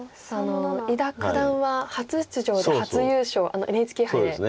伊田九段は初出場で初優勝ＮＨＫ杯で。